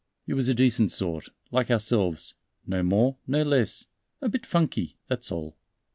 He was a decent sort, like ourselves, no more, no less a bit funky, that's all.